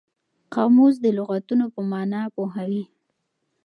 قاموس د لغتونو په مانا پوهوي.